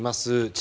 地